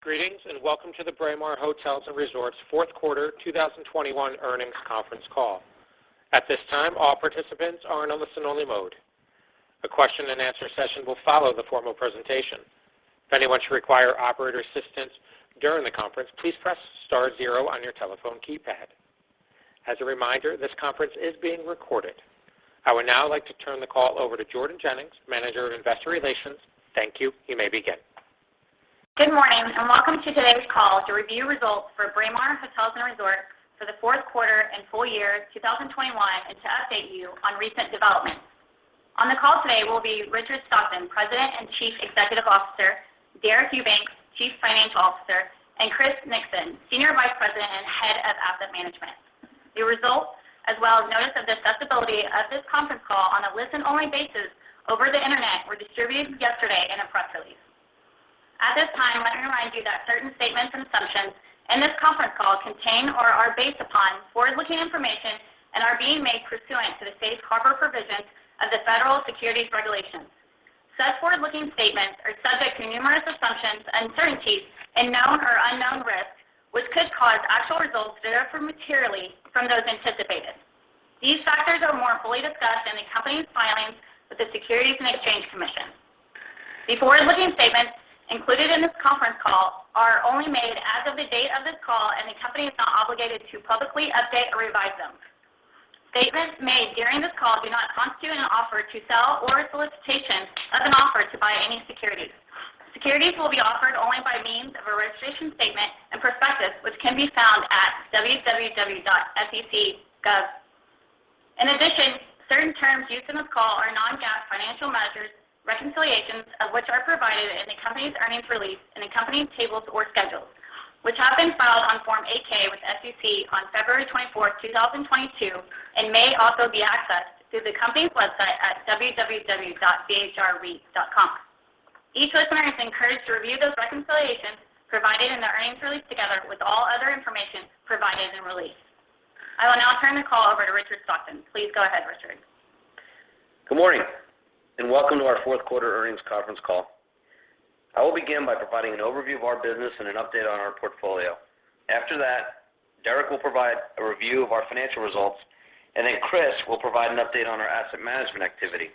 Greetings, and welcome to the Braemar Hotels & Resorts Fourth Quarter 2021 Earnings Conference Call. At this time, all participants are in a listen-only mode. A question and answer session will follow the formal presentation. If anyone should require operator assistance during the conference, please press star zero on your telephone keypad. As a reminder, this conference is being recorded. I would now like to turn the call over to Jordan Jennings, Manager of Investor Relations. Thank you. You may begin. Good morning, and welcome to today's call to review results for Braemar Hotels & Resorts for the fourth quarter and full year 2021, and to update you on recent developments. On the call today will be Richard Stockton, President and Chief Executive Officer, Deric Eubanks, Chief Financial Officer, and Chris Nixon, Senior Vice President and Head of Asset Management. The results, as well as notice of the accessibility of this conference call on a listen-only basis over the Internet, were distributed yesterday in a press release. At this time, let me remind you that certain statements and assumptions in this conference call contain or are based upon forward-looking information and are being made pursuant to the safe harbor provisions of the Federal Securities Regulations. Such forward-looking statements are subject to numerous assumptions, uncertainties, and known or unknown risks, which could cause actual results to differ materially from those anticipated. These factors are more fully discussed in the company's filings with the Securities and Exchange Commission. The forward-looking statements included in this conference call are only made as of the date of this call, and the company is not obligated to publicly update or revise them. Statements made during this call do not constitute an offer to sell or a solicitation of an offer to buy any securities. Securities will be offered only by means of a registration statement and prospectus, which can be found at www.sec.gov. In addition, certain terms used in this call are non-GAAP financial measures, reconciliations of which are provided in the company's earnings release in accompanying tables or schedules, which have been filed on Form 8-K with the SEC on February 24th, 2022, and may also be accessed through the company's website at www.bhrreit.com. Each listener is encouraged to review those reconciliations provided in the earnings release together with all other information provided in the release. I will now turn the call over to Richard Stockton. Please go ahead, Richard. Good morning, and welcome to our fourth quarter earnings conference call. I will begin by providing an overview of our business and an update on our portfolio. After that, Deric will provide a review of our financial results, and then Chris will provide an update on our asset management activity.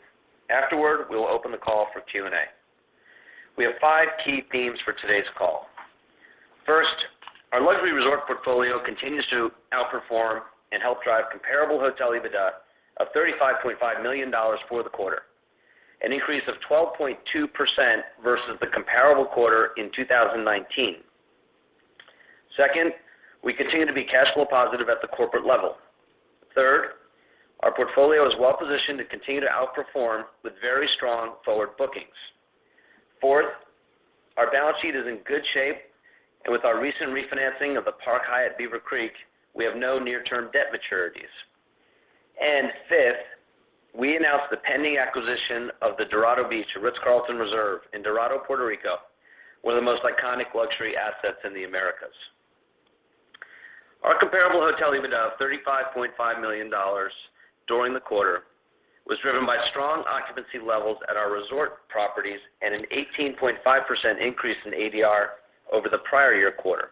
Afterward, we will open the call for Q&A. We have five key themes for today's call. First, our luxury resort portfolio continues to outperform and help drive comparable hotel EBITDA of $35.5 million for the quarter, an increase of 12.2% versus the comparable quarter in 2019. Second, we continue to be cash flow positive at the corporate level. Third, our portfolio is well-positioned to continue to outperform with very strong forward bookings. Fourth, our balance sheet is in good shape, and with our recent refinancing of the Park Hyatt Beaver Creek, we have no near-term debt maturities. Fifth, we announced the pending acquisition of the Dorado Beach, a Ritz-Carlton Reserve in Dorado, Puerto Rico, one of the most iconic luxury assets in the Americas. Our comparable hotel EBITDA of $35.5 million during the quarter was driven by strong occupancy levels at our resort properties and an 18.5% increase in ADR over the prior year quarter.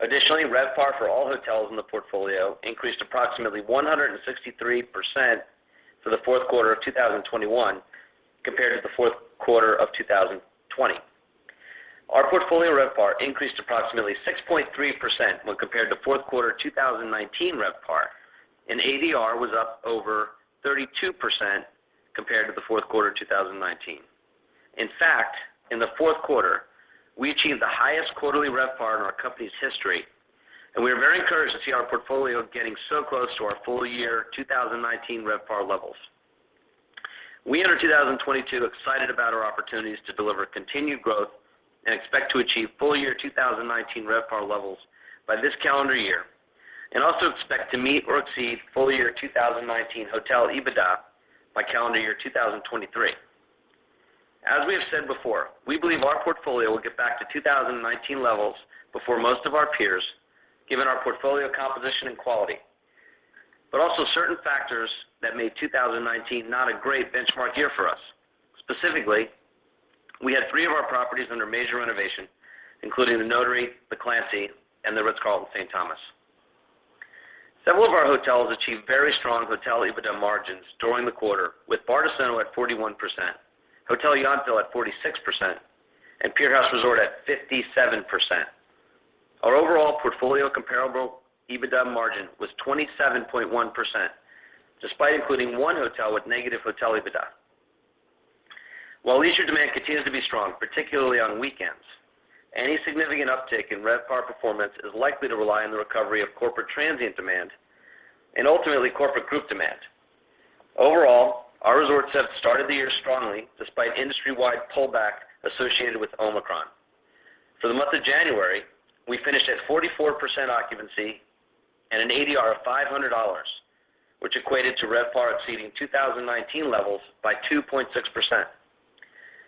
Additionally, RevPAR for all hotels in the portfolio increased approximately 163% for the fourth quarter of 2021 compared to the fourth quarter of 2020. Our portfolio RevPAR increased approximately 6.3% when compared to fourth quarter 2019 RevPAR, and ADR was up over 32% compared to the fourth quarter 2019. In fact, in the fourth quarter, we achieved the highest quarterly RevPAR in our company's history, and we are very encouraged to see our portfolio getting so close to our full-year 2019 RevPAR levels. We enter 2022 excited about our opportunities to deliver continued growth and expect to achieve full-year 2019 RevPAR levels by this calendar year, and also expect to meet or exceed full-year 2019 hotel EBITDA by calendar year 2023. As we have said before, we believe our portfolio will get back to 2019 levels before most of our peers, given our portfolio composition and quality, but also certain factors that made 2019 not a great benchmark year for us. Specifically, we had three of our properties under major renovation, including The Notary, The Clancy, and The Ritz-Carlton St. Thomas. Several of our hotels achieved very strong hotel EBITDA margins during the quarter, with Bardessono at 41%, Hotel Yountville at 46%, and Pier House Resort at 57%. Our overall portfolio comparable EBITDA margin was 27.1%, despite including one hotel with negative hotel EBITDA. While leisure demand continues to be strong, particularly on weekends, any significant uptick in RevPAR performance is likely to rely on the recovery of corporate transient demand and ultimately corporate group demand. Overall, our resorts have started the year strongly, despite industry-wide pullback associated with Omicron. For the month of January, we finished at 44% occupancy and an ADR of $500, which equated to RevPAR exceeding 2019 levels by 2.6%.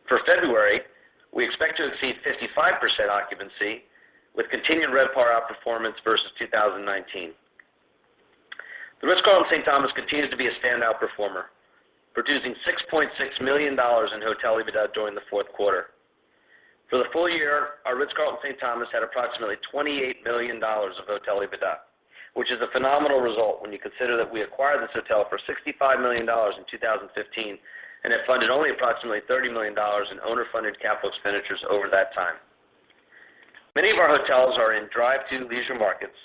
For February, we expect to exceed 55% occupancy with continued RevPAR outperformance versus 2019. The Ritz-Carlton St. Thomas continues to be a standout performer, producing $6.6 million in hotel EBITDA during the fourth quarter. For the full year, our Ritz-Carlton St. Thomas had approximately $28 million of hotel EBITDA, which is a phenomenal result when you consider that we acquired this hotel for $65 million in 2015, and it funded only approximately $30 million in owner-funded capital expenditures over that time. Many of our hotels are in drive to leisure markets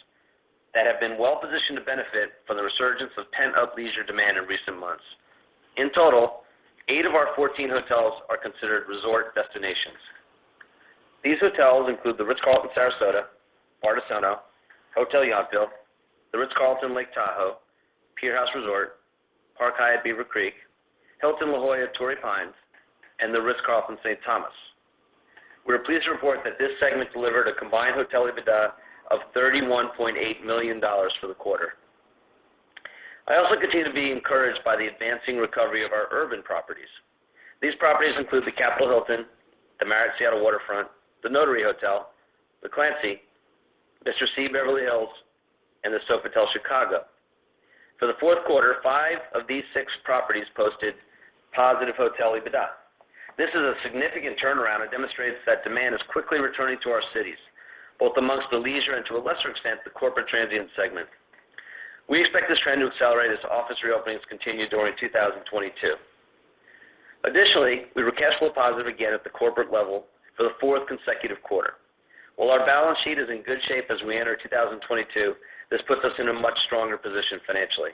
that have been well-positioned to benefit from the resurgence of pent-up leisure demand in recent months. In total, eight of our 14 hotels are considered resort destinations. These hotels include the Ritz-Carlton Sarasota, Bardessono, Hotel Yountville, the Ritz-Carlton Lake Tahoe, Pier House Resort, Park Hyatt Beaver Creek, Hilton La Jolla Torrey Pines, and the Ritz-Carlton St. Thomas. We are pleased to report that this segment delivered a combined hotel EBITDA of $31.8 million for the quarter. I also continue to be encouraged by the advancing recovery of our urban properties. These properties include The Capital Hilton, the Marriott Seattle Waterfront, The Notary Hotel, The Clancy, Mr. C Beverly Hills, and the Sofitel Chicago Magnificent Mile. For the fourth quarter, five of these six properties posted positive hotel EBITDA. This is a significant turnaround that demonstrates that demand is quickly returning to our cities, both amongst the leisure and, to a lesser extent, the corporate transient segment. We expect this trend to accelerate as office reopenings continue during 2022. Additionally, we were cash flow positive again at the corporate level for the fourth consecutive quarter. While our balance sheet is in good shape as we enter 2022, this puts us in a much stronger position financially.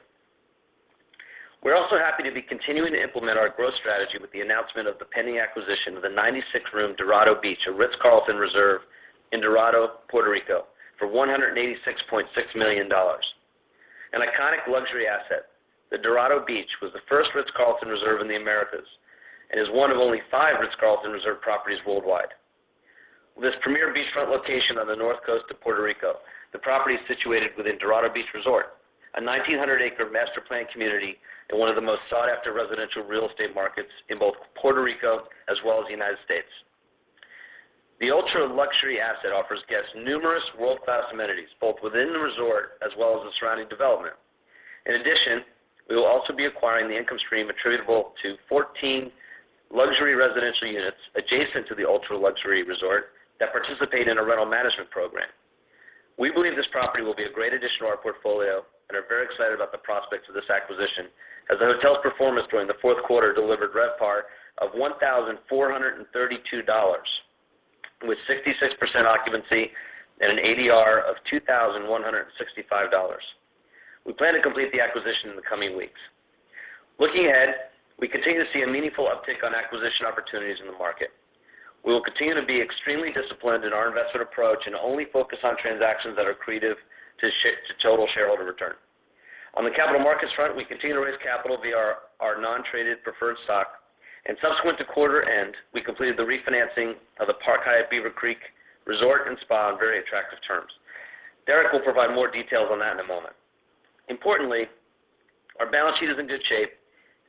We're also happy to be continuing to implement our growth strategy with the announcement of the pending acquisition of the 96-room Dorado Beach, a Ritz-Carlton Reserve in Dorado, Puerto Rico, for $186.6 million. An iconic luxury asset, the Dorado Beach was the first Ritz-Carlton Reserve in the Americas and is one of only five Ritz-Carlton Reserve properties worldwide. With this premier beachfront location on the north coast of Puerto Rico, the property is situated within Dorado Beach Resort, a 1,900-acre master planned community in one of the most sought-after residential real estate markets in both Puerto Rico as well as the United States. The ultra-luxury asset offers guests numerous world-class amenities, both within the resort as well as the surrounding development. In addition, we will also be acquiring the income stream attributable to 14 luxury residential units adjacent to the ultra-luxury resort that participate in a rental management program. We believe this property will be a great addition to our portfolio and are very excited about the prospects of this acquisition as the hotel's performance during the fourth quarter delivered RevPAR of $1,432, with 66% occupancy and an ADR of $2,165. We plan to complete the acquisition in the coming weeks. Looking ahead, we continue to see a meaningful uptick on acquisition opportunities in the market. We will continue to be extremely disciplined in our investment approach and only focus on transactions that are accretive to total shareholder return. On the capital markets front, we continue to raise capital via our non-traded preferred stock, and subsequent to quarter end, we completed the refinancing of the Park Hyatt Beaver Creek Resort and Spa on very attractive terms. Deric will provide more details on that in a moment. Importantly, our balance sheet is in good shape,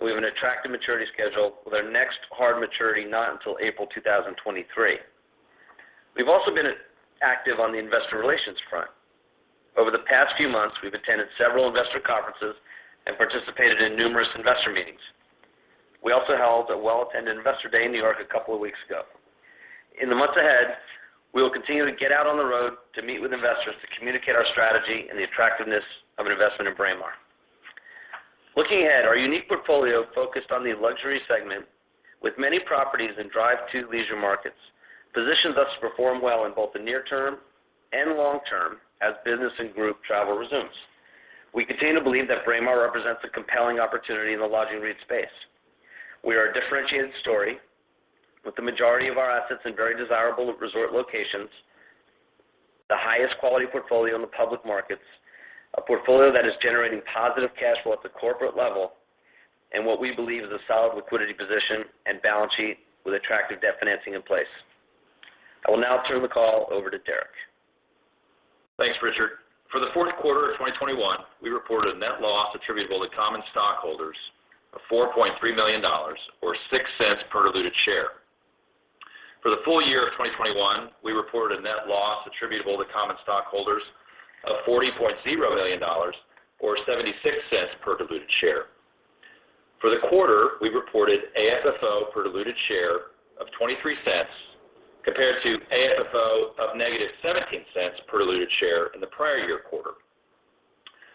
and we have an attractive maturity schedule with our next hard maturity not until April 2023. We've also been active on the investor relations front. Over the past few months, we've attended several investor conferences and participated in numerous investor meetings. We also held a well-attended Investor Day in New York a couple of weeks ago. In the months ahead, we will continue to get out on the road to meet with investors to communicate our strategy and the attractiveness of an investment in Braemar. Looking ahead, our unique portfolio focused on the luxury segment with many properties in drive to leisure markets, positions us to perform well in both the near term and long term as business and group travel resumes. We continue to believe that Braemar represents a compelling opportunity in the lodging REIT space. We are a differentiated story with the majority of our assets in very desirable resort locations, the highest quality portfolio in the public markets, a portfolio that is generating positive cash flow at the corporate level, and what we believe is a solid liquidity position and balance sheet with attractive debt financing in place. I will now turn the call over to Deric. Thanks, Richard. For the fourth quarter of 2021, we reported a net loss attributable to common stockholders of $4.3 million or $0.06 per diluted share. For the full year of 2021, we reported a net loss attributable to common stockholders of $40.0 million or $0.76 per diluted share. For the quarter, we reported AFFO per diluted share of $0.23 compared to AFFO of -$0.17 per diluted share in the prior year quarter.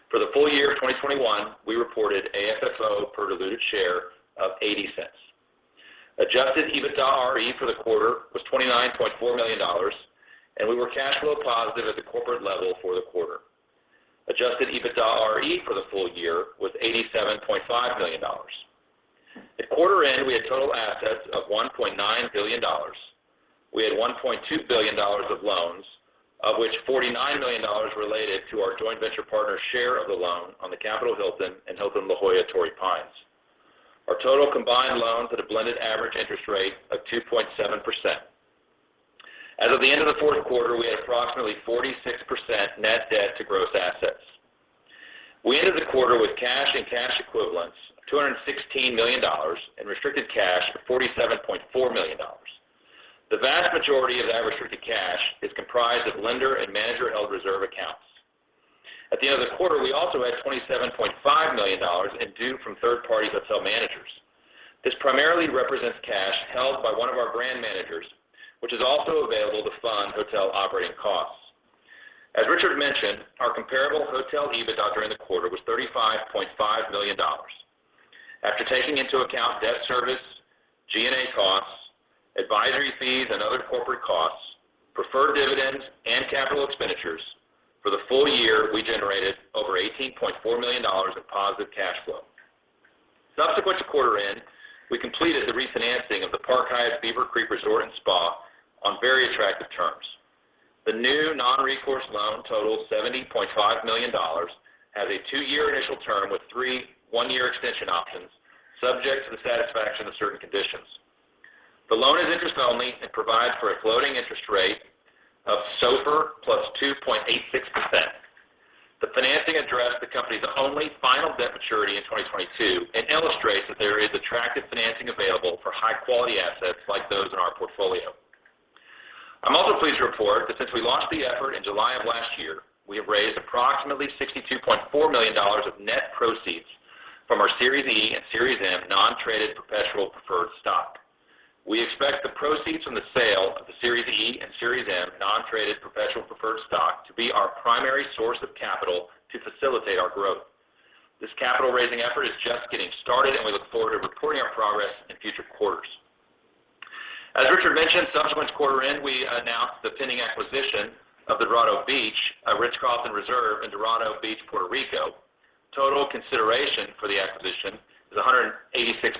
For the full year of 2021, we reported AFFO per diluted share of $0.80. Adjusted EBITDAre for the quarter was $29.4 million, and we were cash flow positive at the corporate level for the quarter. Adjusted EBITDAre for the full year was $87.5 million. At quarter end, we had total assets of $1.9 billion. We had $1.2 billion of loans, of which $49 million related to our joint venture partner's share of the loan on The Capital Hilton and Hilton La Jolla Torrey Pines. Our total combined loans had a blended average interest rate of 2.7%. As of the end of the fourth quarter, we had approximately 46% net debt to gross assets. We ended the quarter with cash and cash equivalents of $216 million and restricted cash of $47.4 million. The vast majority of the unrestricted cash is comprised of lender and manager-held reserve accounts. At the end of the quarter, we also had $27.5 million in due from third parties of hotel managers. This primarily represents cash held by one of our brand managers, which is also available to fund hotel operating costs. As Richard mentioned, our comparable hotel EBITDA during the quarter was $35.5 million. After taking into account debt service, G&A costs, advisory fees and other corporate costs, preferred dividends and capital expenditures for the full year, we generated over $18.4 million of positive cash flow. Subsequent to quarter end, we completed the refinancing of the Park Hyatt Beaver Creek Resort and Spa on very attractive terms. The new non-recourse loan totals $70.5 million, has a two-year initial term with three one-year extension options, subject to the satisfaction of certain conditions. The loan is interest-only and provides for a floating interest rate of SOFR +2.86%. The financing addressed the company's only final debt maturity in 2022 and illustrates that there is attractive financing available for high-quality assets like those in our portfolio. I'm also pleased to report that since we launched the effort in July of last year, we have raised approximately $62.4 million of net proceeds from our Series E and Series M non-traded perpetual preferred stock. We expect the proceeds from the sale of the Series E and Series M non-traded perpetual preferred stock to be our primary source of capital to facilitate our growth. This capital-raising effort is just getting started, and we look forward to reporting our progress in future quarters. As Richard mentioned, subsequent to quarter end, we announced the pending acquisition of the Dorado Beach, a Ritz-Carlton Reserve in Dorado Beach, Puerto Rico. Total consideration for the acquisition is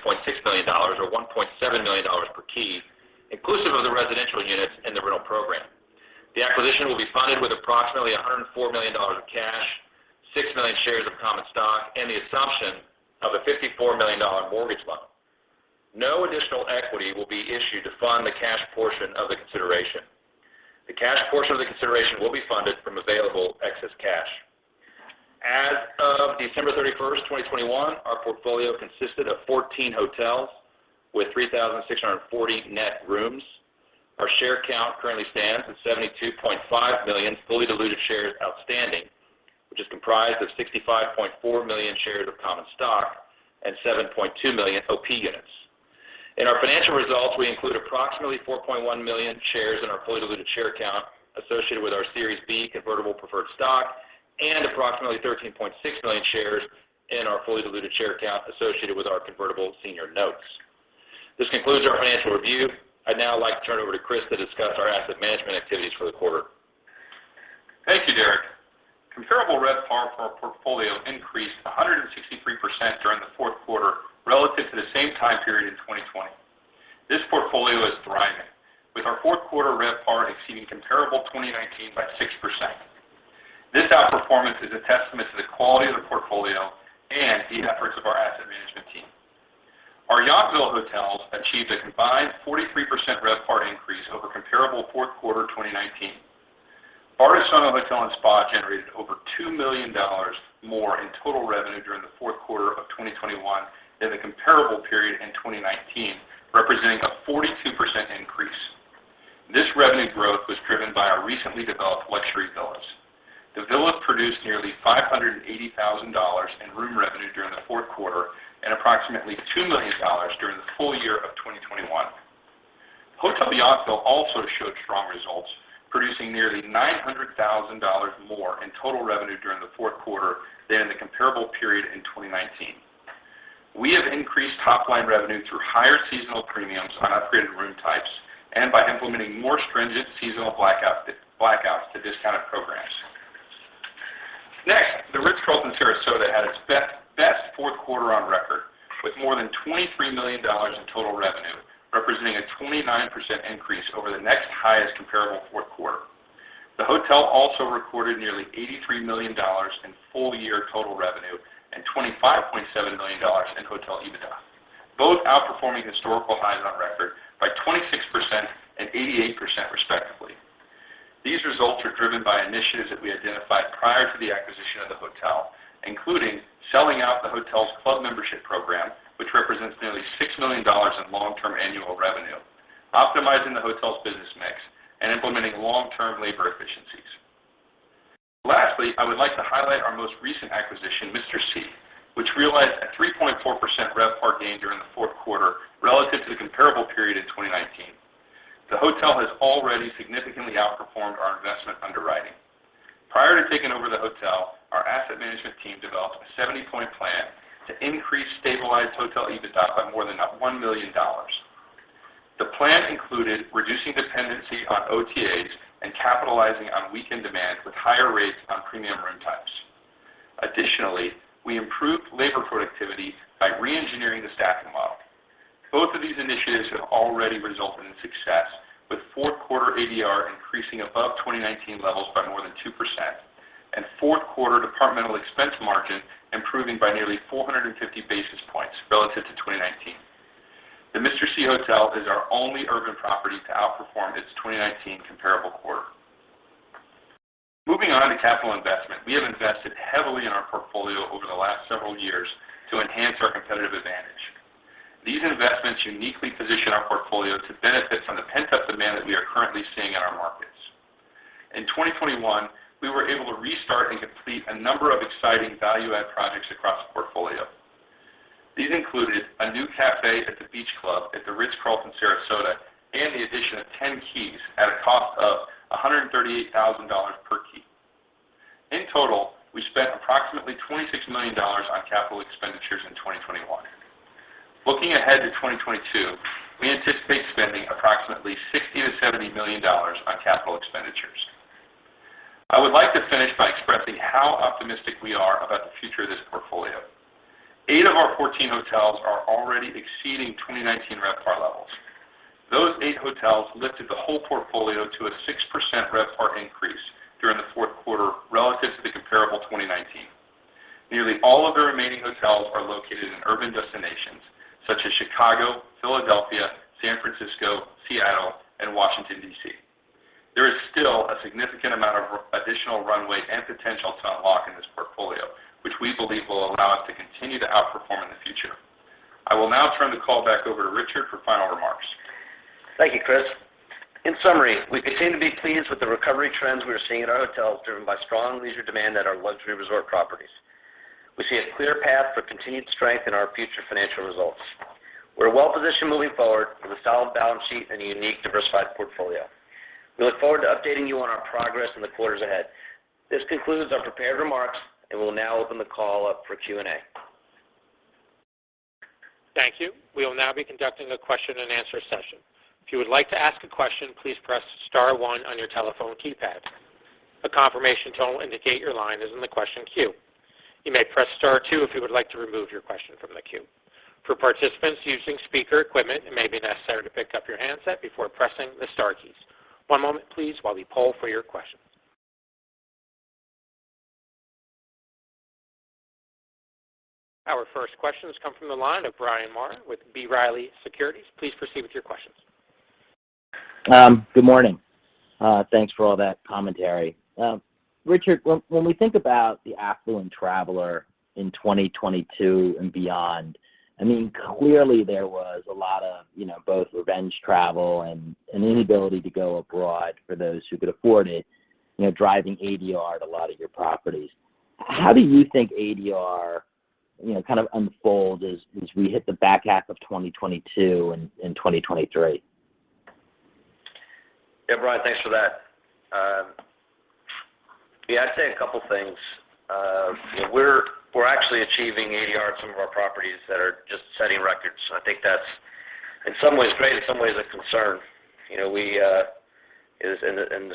$186.6 million or $1.7 million per key, inclusive of the residential units in the rental program. The acquisition will be funded with approximately $104 million of cash, 6 million shares of common stock, and the assumption of a $54 million mortgage loan. No additional equity will be issued to fund the cash portion of the consideration. The cash portion of the consideration will be funded from available excess cash. As of December 31st, 2021, our portfolio consisted of 14 hotels with 3,640 net rooms. Our share count currently stands at 72.5 million fully diluted shares outstanding, which is comprised of 65.4 million shares of common stock and 7.2 million OP units. In our financial results, we include approximately 4.1 million shares in our fully diluted share count associated with our Series B convertible preferred stock and approximately 13.6 million shares in our fully diluted share count associated with our convertible senior notes. This concludes our financial review. I'd now like to turn it over to Chris to discuss our asset management activities for the quarter. Thank you, Deric. Comparable RevPAR for our portfolio increased 163% during the fourth quarter relative to the same time period in 2020. This portfolio is thriving, with our fourth quarter RevPAR exceeding comparable 2019 by 6%. This outperformance is a testament to the quality of the portfolio and the efforts of our asset management team. Our Yountville hotels achieved a combined 43% RevPAR increase over comparable fourth quarter 2019. Bardessono Hotel and Spa generated over $2 million more in total revenue during the fourth quarter of 2021 than the comparable period in 2019, representing a 42% increase. This revenue growth was driven by our recently developed luxury villas. The villas produced nearly $580,000 in room revenue during the fourth quarter and approximately $2 million during the full year of 2021. Hotel Yountville also showed strong results, producing nearly $900,000 more in total revenue during the fourth quarter than in the comparable period in 2019. We have increased top-line revenue through higher seasonal premiums on upgraded room types and by implementing more stringent seasonal blackouts to discounted programs. Next, the Ritz-Carlton Sarasota had its best fourth quarter on record, with more than $23 million in total revenue, representing a 29% increase over the next highest comparable fourth quarter. The hotel also recorded nearly $83 million in full-year total revenue and $25.7 million in hotel EBITDA, both outperforming historical highs on record by 26% and 88% respectively. These results are driven by initiatives that we identified prior to the acquisition of the hotel, including selling out the hotel's club membership program, which represents nearly $6 million in long-term annual revenue, optimizing the hotel's business mix, and implementing long-term labor efficiencies. Lastly, I would like to highlight our most recent acquisition, Mr. C, which realized a 3.4% RevPAR gain during the fourth quarter relative to the comparable period in 2019. The hotel has already significantly outperformed our investment underwriting. Prior to taking over the hotel, our asset management team developed a 70-point plan to increase stabilized hotel EBITDA by more than $1 million. The plan included reducing dependency on OTAs and capitalizing on weekend demand with higher rates on premium room types. Additionally, we improved labor productivity by re-engineering the staffing model. Both of these initiatives have already resulted in success, with fourth quarter ADR increasing above 2019 levels by more than 2% and fourth quarter departmental expense margin improving by nearly 450 basis points relative to 2019. The Mr. C Hotel is our only urban property to outperform its 2019 comparable quarter. We have invested heavily in our portfolio over the last several years to enhance our competitive advantage. These investments uniquely position our portfolio to benefit from the pent-up demand that we are currently seeing in our markets. In 2021, we were able to restart and complete a number of exciting value add projects across the portfolio. These included a new cafe at the Beach Club at the Ritz-Carlton Sarasota, and the addition of 10 keys at a cost of $138,000 per key. In total, we spent approximately $26 million on capital expenditures in 2021. Looking ahead to 2022, we anticipate spending approximately $60 million-$70 million on capital expenditures. I would like to finish by expressing how optimistic we are about the future of this portfolio. Eight of our 14 hotels are already exceeding 2019 RevPAR levels. Those eight hotels lifted the whole portfolio to a 6% RevPAR increase during the fourth quarter relative to the comparable 2019. Nearly all of the remaining hotels are located in urban destinations such as Chicago, Philadelphia, San Francisco, Seattle, and Washington, D.C. There is still a significant amount of additional runway and potential to unlock in this portfolio, which we believe will allow us to continue to outperform in the future. I will now turn the call back over to Richard for final remarks. Thank you, Chris. In summary, we continue to be pleased with the recovery trends we are seeing at our hotels, driven by strong leisure demand at our luxury resort properties. We see a clear path for continued strength in our future financial results. We're well positioned moving forward with a solid balance sheet and a unique, diversified portfolio. We look forward to updating you on our progress in the quarters ahead. This concludes our prepared remarks, and we'll now open the call up for Q&A. Thank you. We will now be conducting a question and answer session. If you would like to ask a question, please press star one on your telephone keypad. A confirmation tone will indicate your line is in the question queue. You may press star two if you would like to remove your question from the queue. For participants using speaker equipment, it may be necessary to pick up your handset before pressing the star keys. One moment, please, while we poll for your questions. Our first questions come from the line of Bryan Maher with B. Riley Securities. Please proceed with your questions. Good morning. Thanks for all that commentary. Richard, when we think about the affluent traveler in 2022 and beyond, I mean, clearly there was a lot of, you know, both revenge travel and an inability to go abroad for those who could afford it, you know, driving ADR at a lot of your properties. How do you think ADR, you know, kind of unfold as we hit the back half of 2022 and 2023? Yeah, Bryan, thanks for that. Yeah, I'd say a couple things. You know, we're actually achieving ADR at some of our properties that are just setting records. So I think that's in some ways great, in some ways a concern. You know, the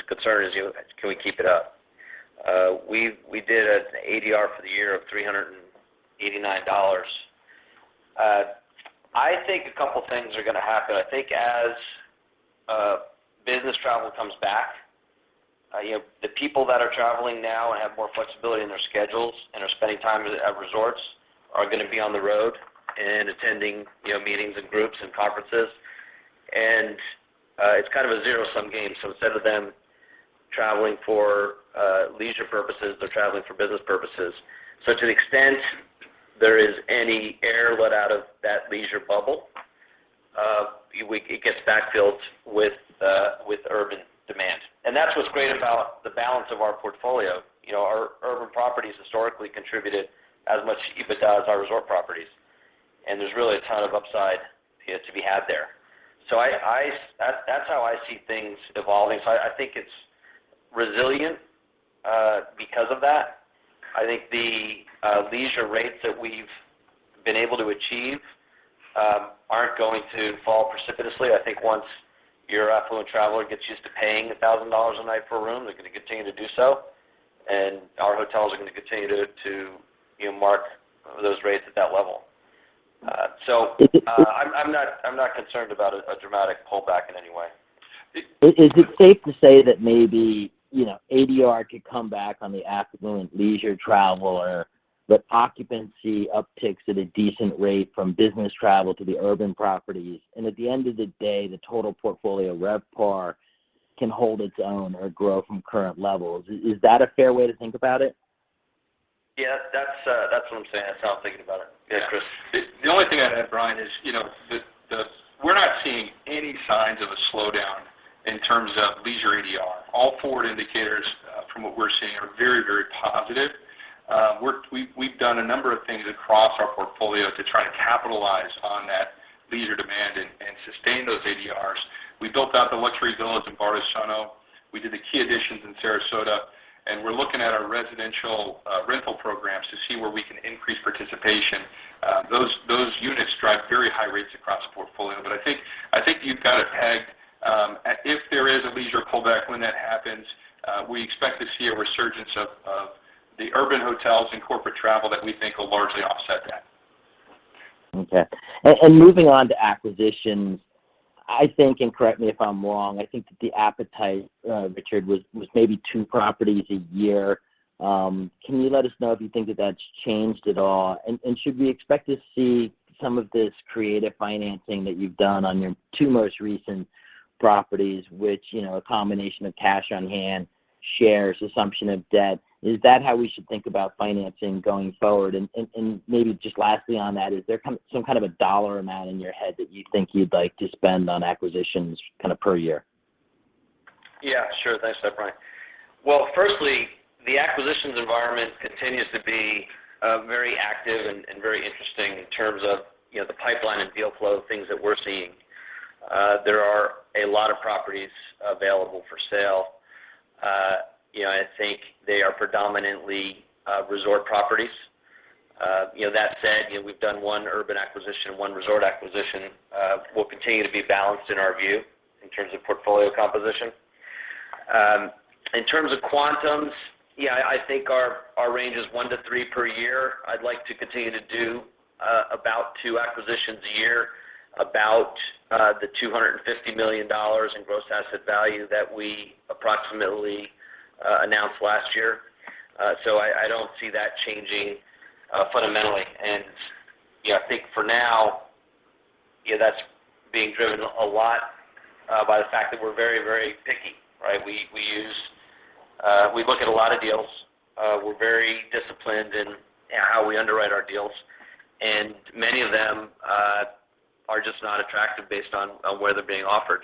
concern is, you know, can we keep it up? We did an ADR for the year of $389. I think a couple things are going to happen. I think as business travel comes back, you know, the people that are traveling now and have more flexibility in their schedules and are spending time at resorts are going to be on the road and attending, you know, meetings and groups and conferences. It's kind of a zero-sum game. Instead of them traveling for leisure purposes, they're traveling for business purposes. To the extent there is any air let out of that leisure bubble, it gets backfilled with urban demand. That's what's great about the balance of our portfolio. You know, our urban properties historically contributed as much EBITDA as our resort properties, and there's really a ton of upside, you know, to be had there. That's how I see things evolving. I think it's resilient because of that. I think the leisure rates that we've been able to achieve aren't going to fall precipitously. I think once your affluent traveler gets used to paying $1,000 a night per room, they're going to continue to do so, and our hotels are going to continue to you know, mark those rates at that level. Is it- I'm not concerned about a dramatic pullback in any way. Is it safe to say that maybe, you know, ADR could come back on the affluent leisure traveler, but occupancy upticks at a decent rate from business travel to the urban properties, and at the end of the day, the total portfolio RevPAR can hold its own or grow from current levels? Is that a fair way to think about it? Yeah. That's what I'm saying. That's how I'm thinking about it. Yeah. Chris? The only thing I'd add, Brian, is, you know, the... We're not seeing any signs of a slowdown in terms of leisure ADR. All forward indicators from what we're seeing are very, very positive. We've done a number of things across our portfolio to try to capitalize on that leisure demand and sustain those ADRs. We built out the luxury villas in Bardessono. We did the key additions in Sarasota, and we're looking at our residential rental programs to see where we can increase participation. Those units drive very high rates across the portfolio. But I think you've got it pegged. If there is a leisure pullback, when that happens, we expect to see a resurgence of the urban hotels and corporate travel that we think will largely offset that. Moving on to acquisitions, I think, and correct me if I'm wrong, I think that the appetite, Richard, was maybe two properties a year. Can you let us know if you think that that's changed at all? Maybe just lastly on that, is there kind of some kind of a dollar amount in your head that you think you'd like to spend on acquisitions kind of per year? Yeah, sure. Thanks for that, Bryan. Well, firstly, the acquisitions environment continues to be very active and very interesting in terms of, you know, the pipeline and deal flow things that we're seeing. There are a lot of properties available for sale. You know, I think they are predominantly resort properties. You know, that said, you know, we've done one urban acquisition, one resort acquisition. We'll continue to be balanced in our view in terms of portfolio composition. In terms of quantums, yeah, I think our range is one to three per year. I'd like to continue to do about two acquisitions a year, about the $250 million in gross asset value that we approximately announced last year. So I don't see that changing fundamentally. I think for now, you know, that's being driven a lot by the fact that we're very, very picky, right? We look at a lot of deals. We're very disciplined in how we underwrite our deals, and many of them are just not attractive based on where they're being offered.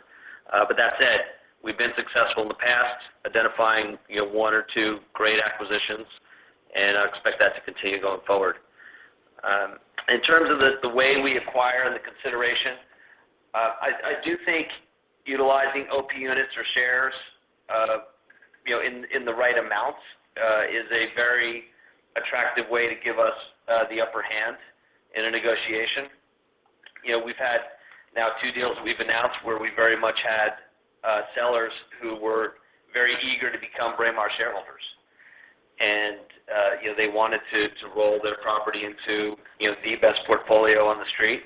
That said, we've been successful in the past identifying, you know, one or two great acquisitions, and I expect that to continue going forward. In terms of the way we acquire the consideration, I do think utilizing OP units or shares, you know, in the right amounts, is a very attractive way to give us the upper hand in a negotiation. You know, we've had now two deals we've announced where we very much had sellers who were very eager to become Braemar shareholders. You know, they wanted to roll their property into, you know, the best portfolio on the street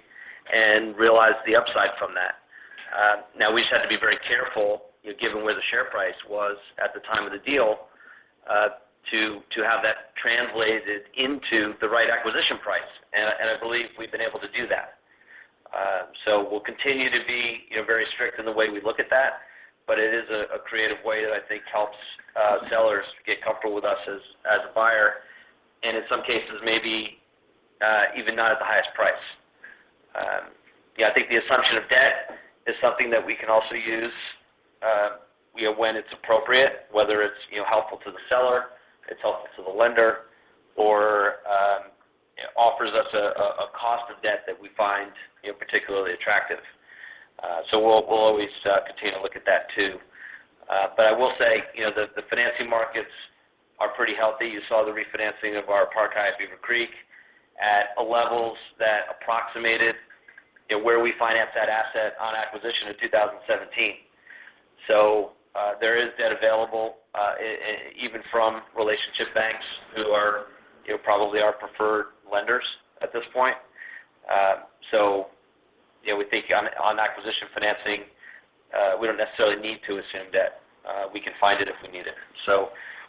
and realize the upside from that. Now we just had to be very careful, you know, given where the share price was at the time of the deal, to have that translated into the right acquisition price. I believe we've been able to do that. We'll continue to be, you know, very strict in the way we look at that, but it is a creative way that I think helps sellers get comfortable with us as a buyer, and in some cases, maybe, even not at the highest price. Yeah, I think the assumption of debt is something that we can also use, you know, when it's, you know, helpful to the seller, it's helpful to the lender, or offers us a cost of debt that we find, you know, particularly attractive. We'll always continue to look at that too. But I will say, you know, the financing markets are pretty healthy. You saw the refinancing of our Park Hyatt Beaver Creek at levels that approximated, you know, where we financed that asset on acquisition in 2017. There is debt available, even from relationship banks who are, you know, probably our preferred lenders at this point. We think on acquisition financing, we don't necessarily need to assume debt. We can find it if we need it.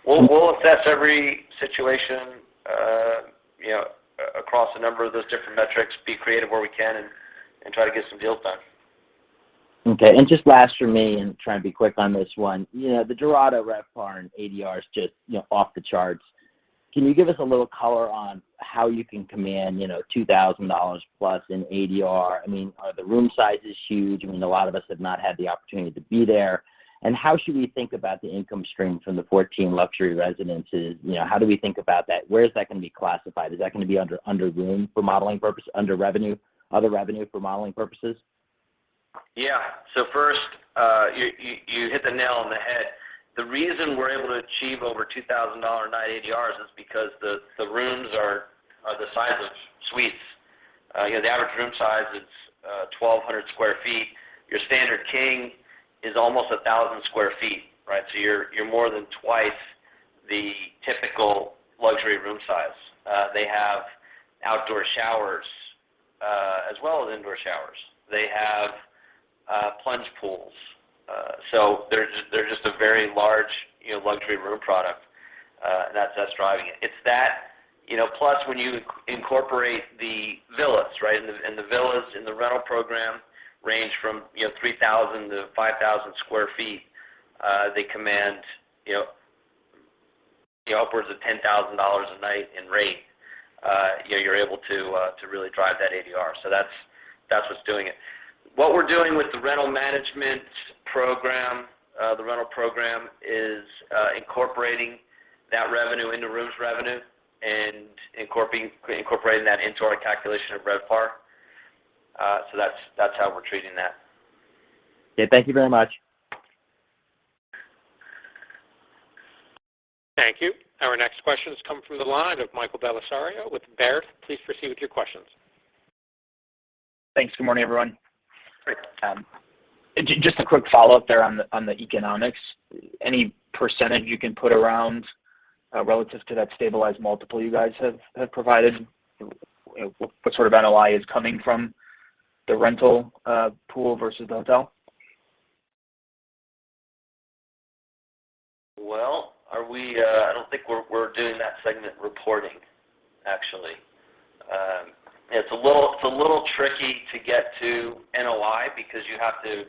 We'll assess every situation, you know, across a number of those different metrics, be creative where we can and try to get some deals done. Okay. Just last from me, and try and be quick on this one. You know, the Dorado RevPAR and ADR is just, you know, off the charts. Can you give us a little color on how you can command, you know, $2,000+ in ADR? I mean, are the room sizes huge? I mean, a lot of us have not had the opportunity to be there. How should we think about the income stream from the 14 luxury residences? You know, how do we think about that? Where is that gonna be classified? Is that gonna be under revenue, other revenue for modeling purposes? Yeah. First, you hit the nail on the head. The reason we're able to achieve over $2,000/night ADRs is because the rooms are the size of suites. You know, the average room size is 1,200 sq ft. Your standard king is almost 1,000 sq ft, right? You're more than twice the typical luxury room size. They have outdoor showers as well as indoor showers. They have plunge pools. They're just a very large, you know, luxury room product, and that's what's driving it. It's that, you know, plus when you incorporate the villas, right? The villas in the rental program range from 3,000-5,000 sq ft. They command, you know, upwards of $10,000 a night in rate. You know, you're able to really drive that ADR. That's what's doing it. What we're doing with the rental management program, the rental program, is incorporating that revenue into rooms revenue and incorporating that into our calculation of RevPAR. That's how we're treating that. Okay. Thank you very much. Thank you. Our next question is coming from the line of Michael Bellisario with Baird. Please proceed with your questions. Thanks. Good morning, everyone. Great. Just a quick follow-up there on the economics. Any percentage you can put around relative to that stabilized multiple you guys have provided? What sort of NOI is coming from the rental pool versus the hotel? Well, I don't think we're doing that segment reporting, actually. It's a little tricky to get to NOI because you have to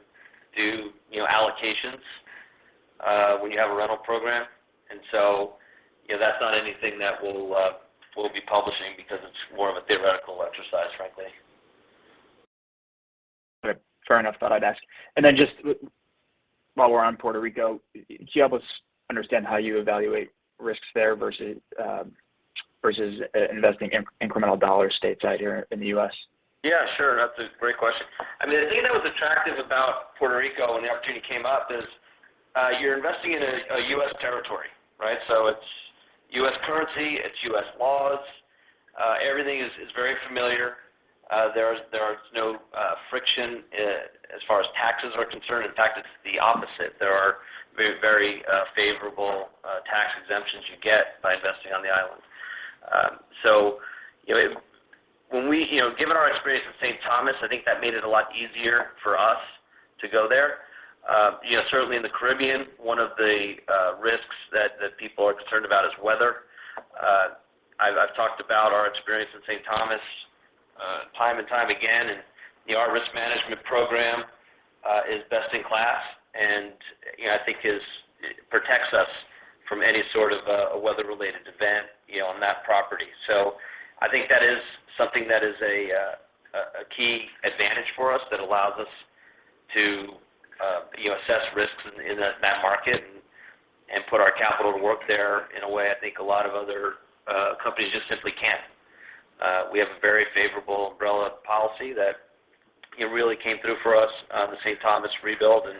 do, you know, allocations when you have a rental program. You know, that's not anything that we'll be publishing because it's more of a theoretical exercise, frankly. All right. Fair enough. Thought I'd ask. Then just while we're on Puerto Rico, can you help us understand how you evaluate risks there versus investing in incremental dollar stateside here in the U.S.? Yeah, sure. That's a great question. I mean, the thing that was attractive about Puerto Rico when the opportunity came up is, you're investing in a U.S. territory, right? So it's U.S. currency, it's U.S. laws, everything is very familiar. There is no friction as far as taxes are concerned. In fact, it's the opposite. There are very favorable tax exemptions you get by investing on the island. You know, given our experience with St. Thomas, I think that made it a lot easier for us to go there. You know, certainly in the Caribbean, one of the risks that people are concerned about is weather. I've talked about our experience in St. St. Thomas time and time again, you know, our risk management program is best-in-class and, you know, I think protects us from any sort of a weather-related event, you know, on that property. I think that is something that is a key advantage for us that allows us to, you know, assess risks in that market and put our capital to work there in a way I think a lot of other companies just simply can't. We have a very favorable umbrella policy that, you know, really came through for us on the St. Thomas rebuild, and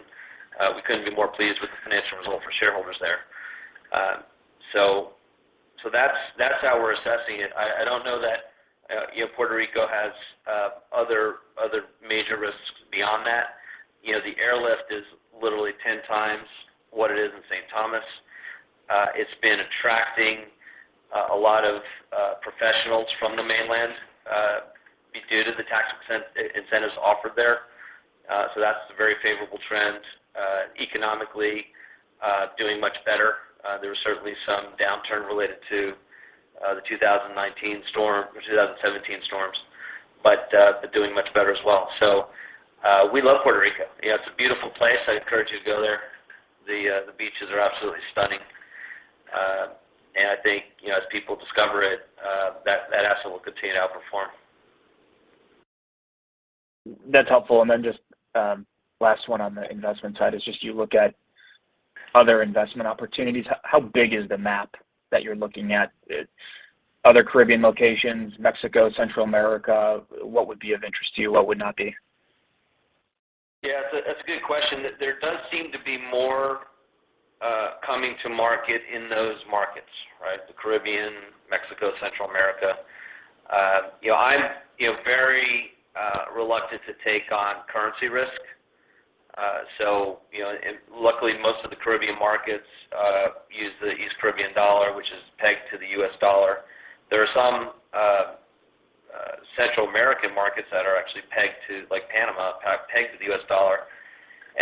we couldn't be more pleased with the financial result for shareholders there. That's how we're assessing it. I don't know that you know Puerto Rico has other major risks beyond that. You know, the airlift is literally 10 times what it is in St. Thomas. It's been attracting a lot of professionals from the mainland due to the tax incentives offered there. So that's a very favorable trend. Economically doing much better. There was certainly some downturn related to the 2019 storm, or 2017 storms, but doing much better as well. We love Puerto Rico. You know, it's a beautiful place. I encourage you to go there. The beaches are absolutely stunning. And I think you know, as people discover it, that asset will continue to outperform. That's helpful. Just, last one on the investment side is just you look at other investment opportunities. How big is the map that you're looking at? Other Caribbean locations, Mexico, Central America, what would be of interest to you? What would not be? Yeah. That's a good question. There does seem to be more coming to market in those markets, right? The Caribbean, Mexico, Central America. You know, I'm you know very reluctant to take on currency risk. You know, and luckily, most of the Caribbean markets use the East Caribbean dollar, which is pegged to the U.S. dollar. There are some Central American markets that are actually pegged to, like Panama, pegged to the U.S. dollar.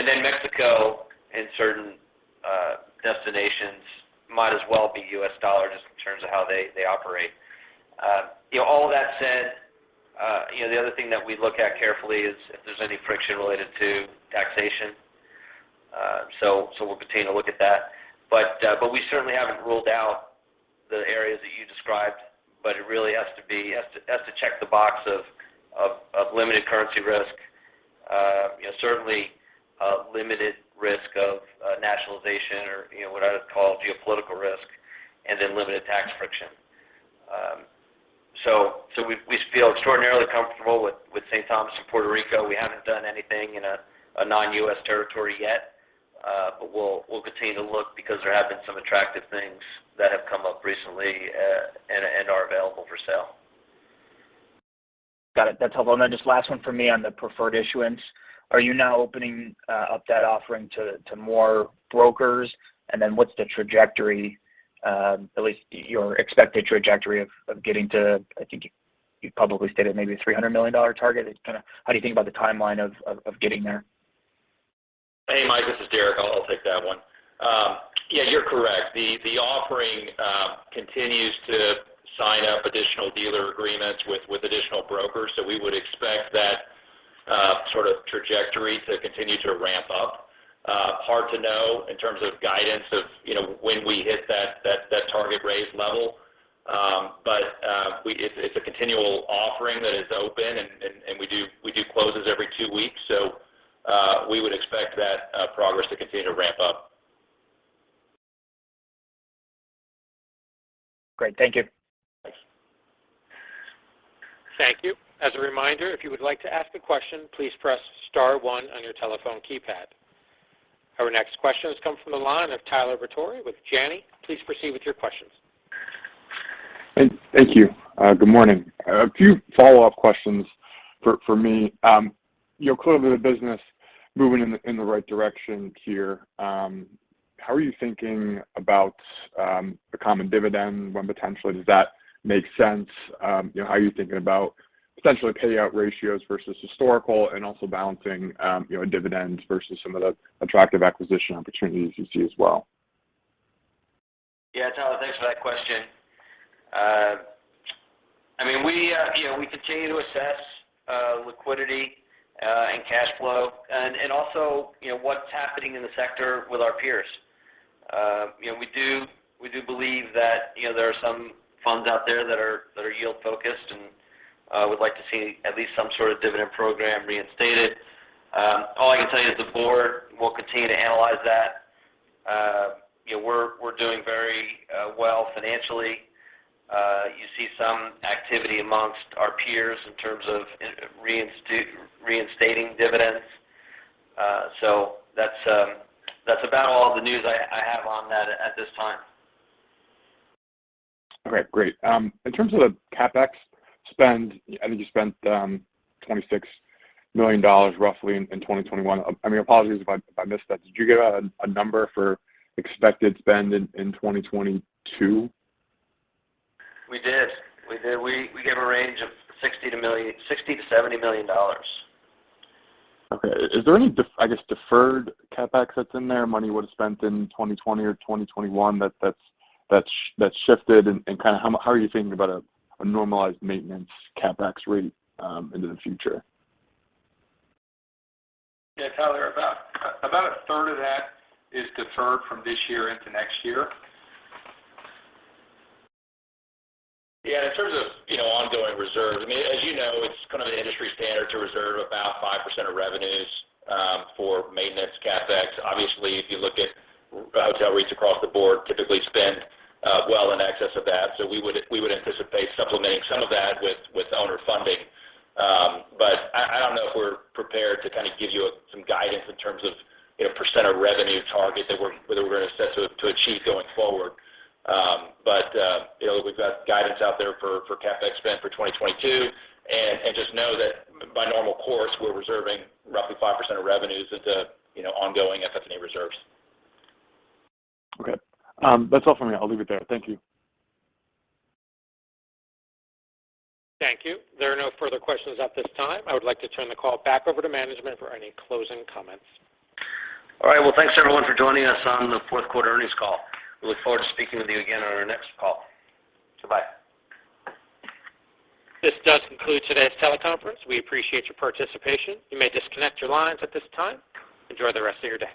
Mexico and certain destinations might as well be U.S. dollar just in terms of how they operate. You know, all of that said, you know, the other thing that we look at carefully is if there's any friction related to taxation. We'll continue to look at that. We certainly haven't ruled out the areas that you described, but it really has to check the box of limited currency risk, you know, certainly limited risk of nationalization or, you know, what I would call geopolitical risk, and then limited tax friction. We feel extraordinarily comfortable with St. Thomas and Puerto Rico. We haven't done anything in a non-U.S. territory yet, but we'll continue to look because there have been some attractive things that have come up recently, and are available for sale. Got it. That's helpful. Just last one for me on the preferred issuance. Are you now opening up that offering to more brokers? What's the trajectory, at least your expected trajectory of getting to, I think you probably stated maybe $300 million target. How do you think about the timeline of getting there? Hey, Michael, this is Deric. I'll take that one. Yeah, you're correct. The offering continues to sign up additional dealer agreements with additional brokers. We would expect that sort of trajectory to continue to ramp up. Hard to know in terms of guidance of you know when we hit that target raise level. It's a continual offering that is open and we do closes every two weeks. We would expect that progress to continue to ramp up. Great. Thank you. Thanks. Thank you. As a reminder, if you would like to ask a question, please press star one on your telephone keypad. Our next question has come from the line of Tyler Batory with Janney. Please proceed with your questions. Thank you. Good morning. A few follow-up questions for me. You know, clearly the business moving in the right direction here. How are you thinking about a common dividend? When potentially does that make sense? You know, how are you thinking about potential payout ratios versus historical and also balancing you know, dividends versus some of the attractive acquisition opportunities you see as well? Yeah, Tyler, thanks for that question. I mean, we you know, we continue to assess liquidity and cash flow and also you know, what's happening in the sector with our peers. You know, we do believe that you know, there are some funds out there that are yield-focused and would like to see at least some sort of dividend program reinstated. All I can tell you is the board will continue to analyze that. You know, we're doing very well financially. You see some activity amongst our peers in terms of reinstating dividends. So that's about all the news I have on that at this time. Okay. Great. In terms of the CapEx spend, I think you spent $26 million roughly in 2021. I mean, apologies if I missed that. Did you give out a number for expected spend in 2022? We did. We gave a range of $60 million-$70 million. Okay. Is there any, I guess, deferred CapEx that's in there, money you would've spent in 2020 or 2021 that's shifted? Kind of how are you thinking about a normalized maintenance CapEx rate into the future? Yeah, Tyler, about a third of that is deferred from this year into next year. Yeah, in terms of, you know, ongoing reserves, I mean, as you know, it's kind of an industry standard to reserve about 5% of revenues for maintenance CapEx. Obviously, if you look at hotel REITs across the board typically spend well in excess of that, so we would anticipate supplementing some of that with owner funding. But I don't know if we're prepared to kind of give you some guidance in terms of, you know, percent of revenue target that we're whether we're gonna set to achieve going forward. But you know, we've got guidance out there for CapEx spend for 2022. Just know that by normal course, we're reserving roughly 5% of revenues into, you know, ongoing FF&E reserves. Okay. That's all for me. I'll leave it there. Thank you. Thank you. There are no further questions at this time. I would like to turn the call back over to management for any closing comments. All right. Well, thanks everyone for joining us on the fourth quarter earnings call. We look forward to speaking with you again on our next call. Bye. This does conclude today's teleconference. We appreciate your participation. You may disconnect your lines at this time. Enjoy the rest of your day.